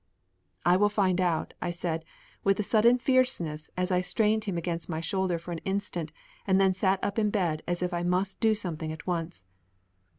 "I'll find out," I said with a sudden fierceness as I strained him against my shoulder for an instant and then sat up in bed as if I must do something at once.